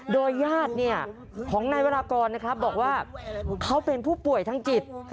โดยญาติของนายวรากรนะครับบอกว่าเขาเป็นผู้ป่วยทางจิต